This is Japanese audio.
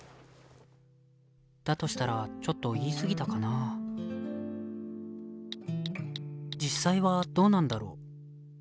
だとしたらちょっと言いすぎたかな実際はどうなんだろう？